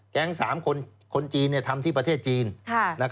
แกล้งสามคนคนจีนเนี่ยทำที่ประเทศจีน